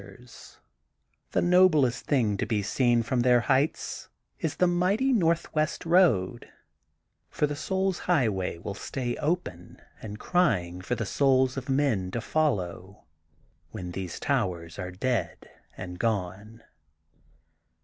\ 884 THE GOLDEN BOOK OF SPRINGFIELD ^'The noblest thing to be seen from their heights is the mighty northwest road. For the souls' highway will stay open and crying for the souls of men to follow when these towers are dead and gone.